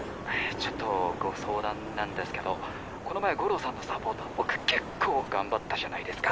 ちょっとご相談なこの前五郎さんのサポート僕結構頑張ったじゃないですか。